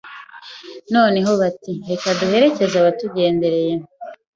Noneho bati Reka duherekeze abatugendereye